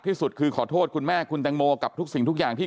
ที่สุดคือขอโทษคุณแม่คุณแตงโมกับทุกสิ่งทุกอย่างที่